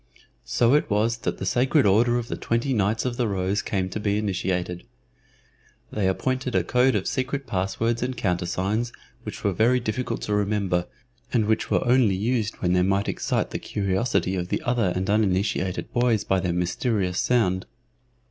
So it was that the Sacred Order of the Twenty Knights of the Rose came to be initiated. They appointed a code of secret passwords and countersigns which were very difficult to remember, and which were only used when they might excite the curiosity of the other and uninitiated boys by their mysterious sound.